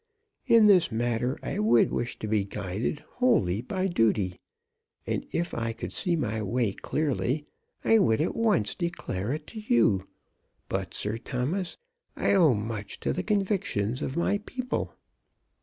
In this matter I would wish to be guided wholly by duty, and if I could see my way clearly I would at once declare it to you. But, Sir Thomas, I owe much to the convictions of my people."